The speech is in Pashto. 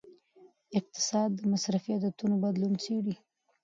اقتصاد د مصرفي عادتونو بدلون څیړي.